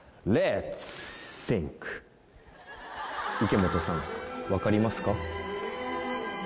池本さん分かりますか？